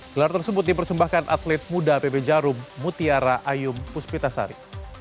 gelar tersebut dipersembahkan atlet muda pb jarum mutiara ayum puspitasari